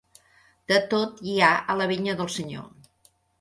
De tot hi ha a la vinya del Senyor.